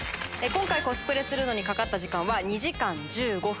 今回コスプレにかかった時間は２時間１５分。